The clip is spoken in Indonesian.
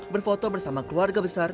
berfoto bersama keluarga besar